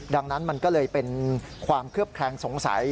ดังนั้นมันก็เลยเป็นความเคลือบแคลงสงสัย